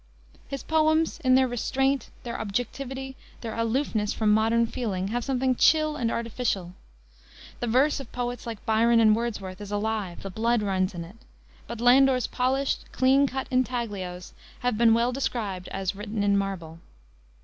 His poems, in their restraint, their objectivity, their aloofness from modern feeling, have something chill and artificial. The verse of poets like Byron and Wordsworth is alive; the blood runs in it. But Landor's polished, clean cut intaglios have been well described as "written in marble."